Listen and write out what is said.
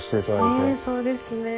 ええそうですね。